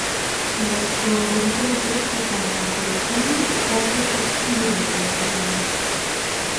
Зашто, родителот ретко колне, ама кога колне, таа клетва сигурно е заслужена.